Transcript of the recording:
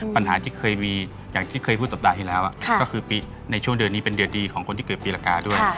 ปัญหาที่เคยมีอย่างที่เคยพูดสัปดาห์ที่แล้วก็คือในช่วงเดือนนี้เป็นเดือนดีของคนที่เกิดปีละกาด้วย